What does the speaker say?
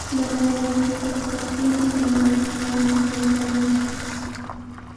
Mana llakikuq kaptinchik, mamanchik manami qunqamanchikku.